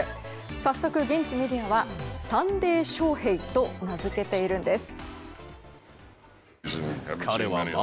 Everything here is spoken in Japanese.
早速、現地メディアはサンデー翔平と名付けているんです。